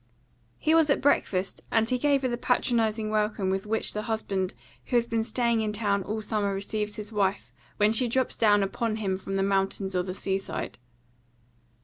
He was at breakfast, and he gave her the patronising welcome with which the husband who has been staying in town all summer receives his wife when she drops down upon him from the mountains or the sea side.